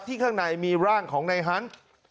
ที่ข้างในมีร่างของในฮัง